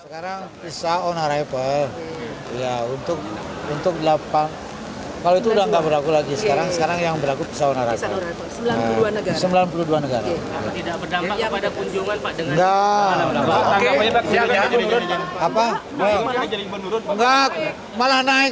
kedatangan wisatawan yang diberlakukan visa on arrival ke bali ada sembilan puluh dua negara